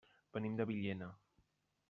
Venim de Villena.